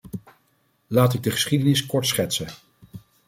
Laat ik de geschiedenis kort schetsen.